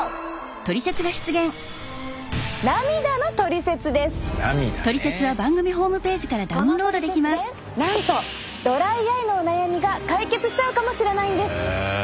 このトリセツでなんとドライアイのお悩みが解決しちゃうかもしれないんです！